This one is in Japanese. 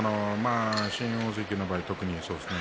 新大関の場合、特にそうですね。